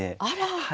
あら！